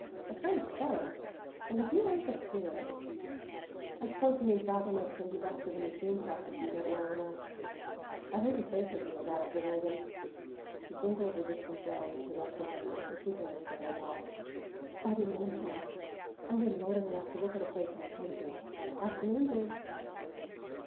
"'Afraid so'! Well, if you aren't the queerest! I suppose you mean father might send you back to the machine shop if you get well enough. I heard him say something about it the night of the " The jingle of a distant bell interrupted her, and she glanced at her watch. "Bobby Lamhorn! I'm going to motor him out to look at a place in the country. Afternoon, Bibbs!"